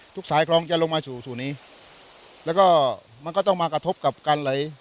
สายคลองจะลงมาสู่สู่นี้แล้วก็มันก็ต้องมากระทบกับการไหล